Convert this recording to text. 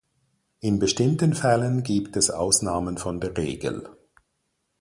In bestimmten Fällen gibt es Ausnahmen von der Regel.